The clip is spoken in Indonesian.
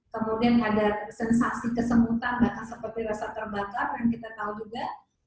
kemudian ada sensasi kesemutan bahkan seperti rasa terbakar yang kita tahu juga